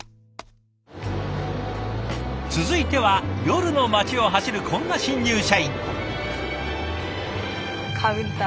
続いては夜の街を走るこんな新入社員。